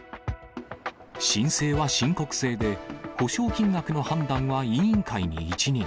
申請は申告制で、補償金額の判断は委員会に一任。